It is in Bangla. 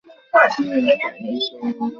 ভীরাপান্ডিয়ান মৃত্যুর আগে আমাকে পাঠিয়েছিল।